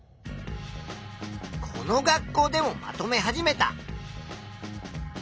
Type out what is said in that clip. この学校でもまとめ始めた。